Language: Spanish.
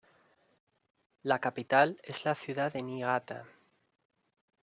La capital es la ciudad de Niigata.